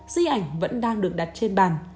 di ảnh vẫn đang được đặt trên bàn